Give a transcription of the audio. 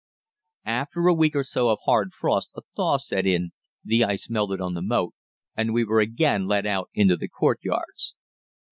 After a week or so of hard frost a thaw set in, the ice melted on the moat, and we were again let out into the courtyards.